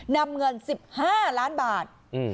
นำเงิน๑๕ล้านบาท